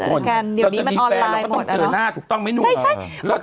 เจอกันเดี๋ยวนี้มันออนไลน์หมด